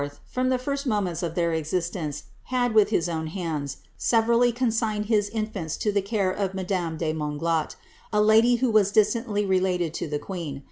from the first moments of their existence, had, with his own hands, severally consigned his infants to the care of madame de Monglat, a lady who was distantly related to the queen.